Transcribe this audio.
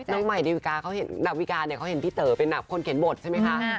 น้องมัยในนักวิกาเขาเห็นนักวิกาเขาเห็นพี่เต๋อเป็นคนเขียนบทใช่ไหมคะ